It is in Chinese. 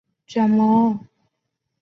卷毛豇豆为豆科豇豆属的植物。